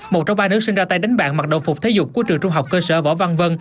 một trong ba nữ sinh ra tay đánh bạn mặc đồng phục thể dục của trường trung học cơ sở võ văn vân